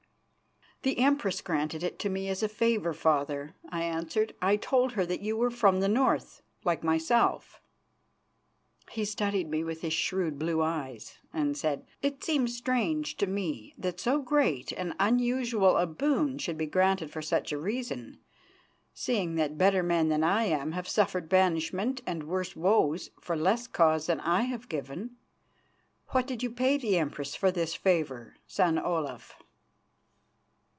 "The Empress granted it to me as a favour, Father," I answered. "I told her that you were from the North, like myself." He studied me with his shrewd blue eyes, and said: "It seems strange to me that so great and unusual a boon should be granted for such a reason, seeing that better men than I am have suffered banishment and worse woes for less cause than I have given. What did you pay the Empress for this favour, son Olaf?"